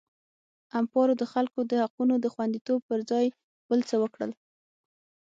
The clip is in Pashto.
امپارو د خلکو د حقونو د خوندیتوب پر ځای بل څه وکړل.